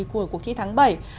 của cuộc thi tháng bảy